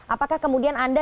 apakah kemudian anda